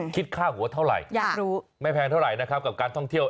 คิดค่าหัวเท่าไหร่อยากรู้ไม่แพงเท่าไหร่นะครับกับการท่องเที่ยว